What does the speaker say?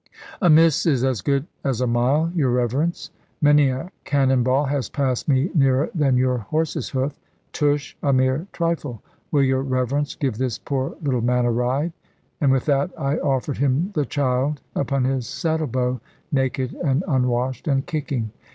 "A miss is as good as a mile, your Reverence. Many a cannon ball has passed me nearer than your horse's hoof. Tush, a mere trifle! Will your Reverence give this poor little man a ride?" And with that I offered him the child upon his saddlebow, naked, and unwashed, and kicking.